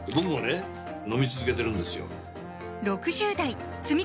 飲み続けてるんですよ